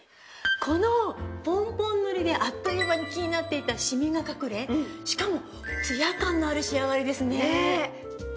このポンポン塗りであっという間に気になっていたシミが隠れしかもツヤ感のある仕上がりですね。